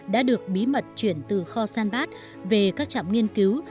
đã được bí mật chuyển từ kho svanbark về các trạm nghiên cứu